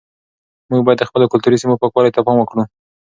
موږ باید د خپلو کلتوري سیمو پاکوالي ته پام وکړو.